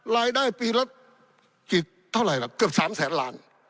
รายได้ปีละกี่เท่าไหร่ล่ะเกือบ๓แสนล้าน